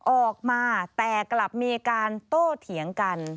ออกมาแต่กลับมีการโต้เถียงกัน